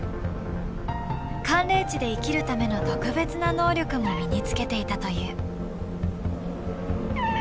寒冷地で生きるための特別な能力も身につけていたという。